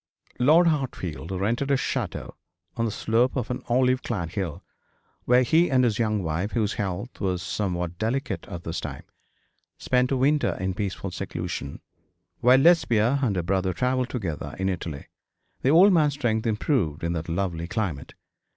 Lord Hartfield rented a chateau on the slope of an olive clad hill, where he and his young wife, whose health was somewhat delicate at this time, spent a winter in peaceful seclusion; while Lesbia and her brother travelled together in Italy. The old man's strength improved in that lovely climate.